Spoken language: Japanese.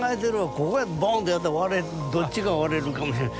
ここへボーンとやったら割れるどっちか割れるかもしれない。